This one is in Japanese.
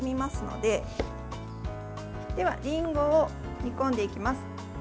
では、りんごを煮込んでいきます。